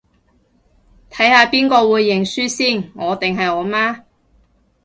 睇下邊個會認輸先，我定係我媽